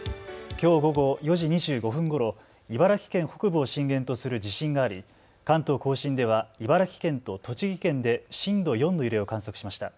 きょう午後４時２５分ごろ、茨城県北部を震源とする地震があり関東甲信では茨城県と栃木県で震度４の揺れを観測しました。